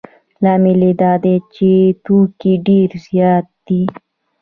لامل یې دا دی چې توکي ډېر زیات دي